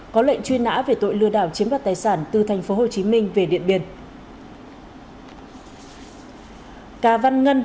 có lệnh truy nã về tội lừa đảo chiếm đoạt tài sản từ thành phố hồ chí minh về điện biên